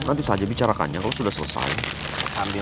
nanti aku balik lagi